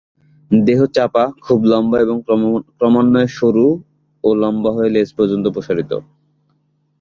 দেহ চাপা, খুব লম্বা এবং ক্রমান্বয়ে সরু ও লম্বা হয়ে লেজ পর্যন্ত প্রসারিত।